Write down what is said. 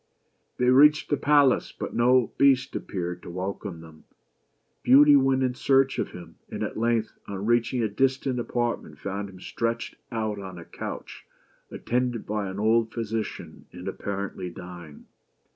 They reached the palace, but no Beast appeared to welcome them. Beauty went in search of him, and at length, on reach ing a distant apartment, found him stretched out on a couch, attended by an old physician, and, apparently dying.